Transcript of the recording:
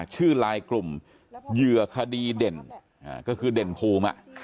ชื่อลายกลุ่มเหยื่อคดีเด่นก็คือเด่นภูมิ